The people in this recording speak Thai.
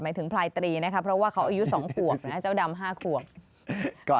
ถึงพลายตรีนะคะเพราะว่าเขาอายุ๒ขวบนะเจ้าดำ๕ขวบ